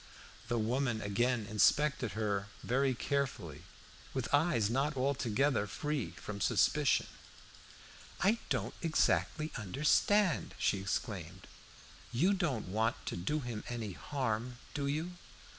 The woman again inspected her very carefully, with eyes not altogether free from suspicion. "I don't exactly understand," she exclaimed. "You don't want to do him any harm, do you?